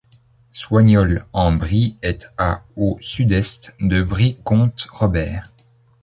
Soignolles-en-Brie est à au sud-est de Brie-Comte-Robert.